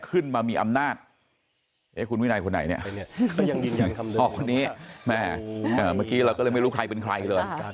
ขึ้นมามีอำนาจคุณวินัยคนไหนเนี่ยพ่อคนนี้แม่เมื่อกี้เราก็เลยไม่รู้ใครเป็นใครเลย